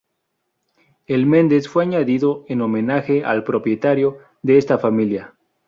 El Mendes fue añadido en homenaje al propietario, de esta familia.